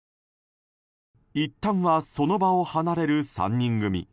いったんはその場を離れる３人組。